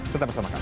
tetap bersama kami